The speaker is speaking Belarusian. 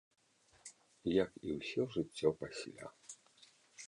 Як і ўсё жыццё пасля.